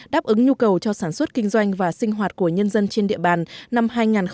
đáp ứng nhu cầu cho sản xuất kinh doanh và sinh hoạt của nhân dân trên địa bàn năm hai nghìn hai mươi